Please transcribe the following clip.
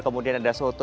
kemudian ada soto